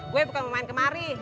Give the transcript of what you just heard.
gue bukan mau main ke mari